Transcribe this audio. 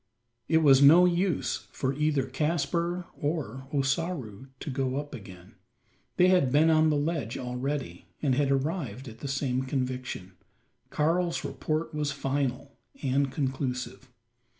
It was no use for either Caspar or Ossaroo to go up again. They had been on the ledge already; and had arrived at the same conviction. Karl's report was final and conclusive.